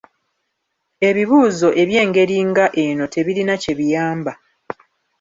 Ebibuuzo eby'engeri nga eno tibirina kye biyamba